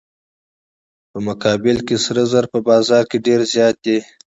په مقابل کې سره زر په بازار کې ډیر زیات دي.